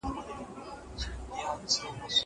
زه اجازه لرم چي کتابتوني کار وکړم.